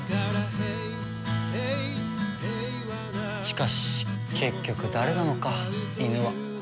しかし結局誰なのかイヌは。